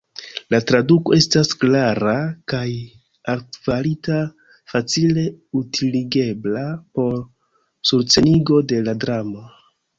La traduko estas klara kaj altkvalita, facile utiligebla por surscenigo de la dramo.